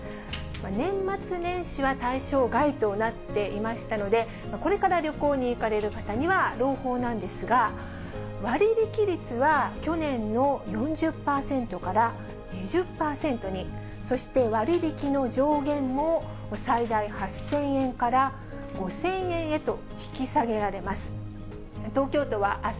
年末年始は対象外となっていましたので、これから旅行に行かれる方には朗報なんですが、割引率は、去年の４０％から２０％に、そして割引の上限も、最大８０００円から５０００円へと引き下げられます。